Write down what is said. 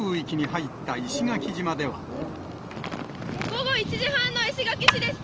午後１時半の石垣市です。